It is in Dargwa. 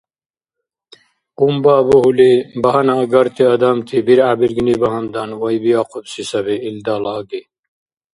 Къунба бугьули, багьана агарти адамти биргӀябиргни багьандан, вайбиахъубси саби илдала аги.